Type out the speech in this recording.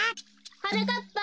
・はなかっぱ